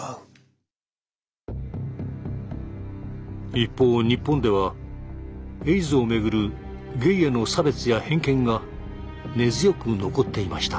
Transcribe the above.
一方日本ではエイズをめぐるゲイへの差別や偏見が根強く残っていました。